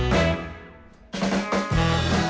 รับทราบ